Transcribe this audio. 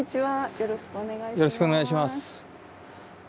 よろしくお願いします。